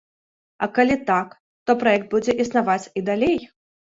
А калі так, то праект будзе існаваць і далей.